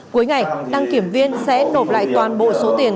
cuối ngày đăng kiểm viên sẽ nộp lại toàn bộ số tiền